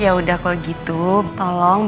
ya udah kalau gitu tolong bibi bawa barang barangnya